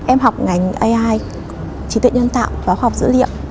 em học ngành ai trí tuệ nhân tạo và học dữ liệu